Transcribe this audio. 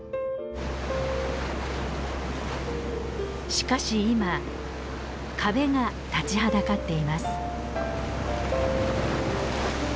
しかし今壁が立ちはだかっています。